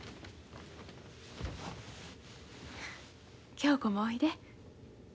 恭子もおいで。